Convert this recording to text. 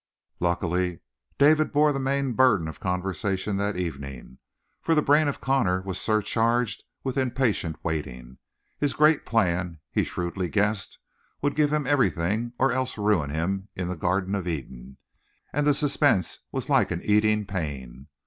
Luckily David bore the main burden of conversation that evening, for the brain of Connor was surcharged with impatient waiting. His great plan, he shrewdly guessed, would give him everything or else ruin him in the Garden of Eden, and the suspense was like an eating pain.